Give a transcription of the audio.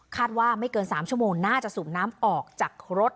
ว่าไม่เกิน๓ชั่วโมงน่าจะสูบน้ำออกจากรถ